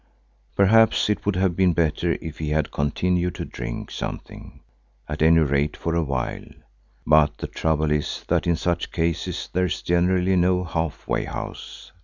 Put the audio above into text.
Perhaps it would have been better if he had continued to drink something, at any rate for a while, but the trouble is that in such cases there is generally no half way house.